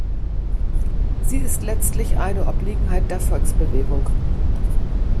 Sie ist letztlich eine Obliegenheit der Volksbewegung.